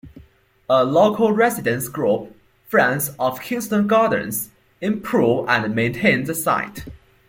A local residents' group, Friends of Kingston Gardens, improve and maintain the site.